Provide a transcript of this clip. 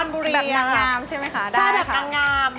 เบอร์๓ครับ